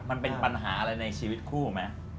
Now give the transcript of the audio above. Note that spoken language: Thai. มันเป็นปัญหาอะไรในชีวิตคู่ไหม